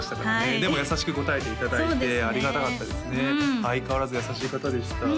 でも優しく答えていただいてありがたかったですね相変わらず優しい方でした